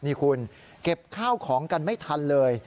นี่คุณเก็บข้าวของกันไม่ทันเลย